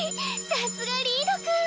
さすがリードくん！